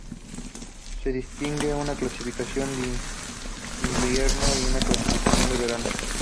Se distingue una clasificación de invierno y una clasificación de verano.